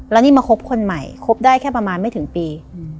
แล้วนี่มาคบคนใหม่คบได้แค่ประมาณไม่ถึงปี